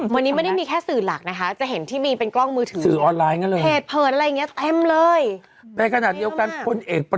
วันนี้ไม่ได้มีแค่สื่อหลักนะคะจะเห็นที่มีเป็นกล้องมือถือ